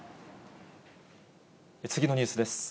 次のニュースです。